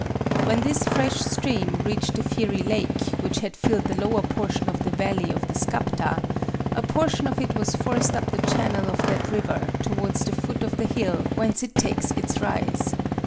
When this fresh stream reached the fiery lake, which had filled the lower portion of the valley of the Skapta, a portion of it was forced up the channel of that river towards the foot of the hill whence it takes its rise.